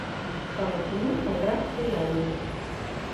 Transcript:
Telefona al Drac Liaño.